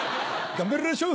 頑張りましょう！